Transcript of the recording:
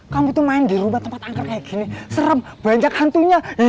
kamu tuh main di rumah tempat angkat kayak gini serem banyak hantunya